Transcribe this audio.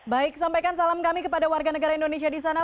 baik sampaikan salam kami kepada warga negara indonesia di sana